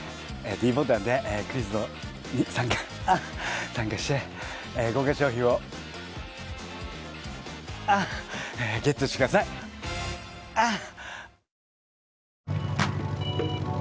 ｄボタンでクイズのに参加あ参加して豪華賞品をあＧＥＴしてくださいあっ